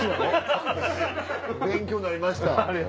勉強になりました